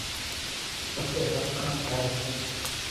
پسيَ ۿٻڪڻ ٿائيَ سي۔